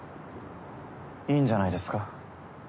いいんじゃないですか。